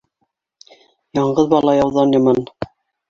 Яңғыҙ бала яуҙан яман.